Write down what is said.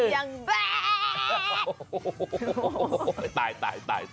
ทรงยังแบด